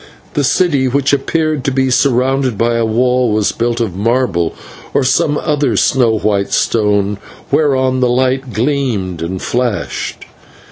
The city, which appeared to be surrounded by a wall, was built of marble or some other snow white stone, whereon the light gleamed and flashed.